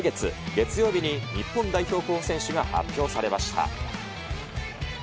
月曜日に日本代表候補選手が発表されました。